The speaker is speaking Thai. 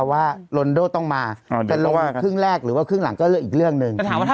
เขายังไม่ย้ายเขาบอกว่าเขายังอยู่